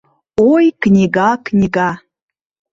Ой, книга, книга!